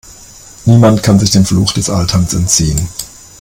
Niemand kann sich dem Fluch des Alterns entziehen.